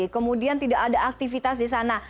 kemudian tidak ada aktivitas di sana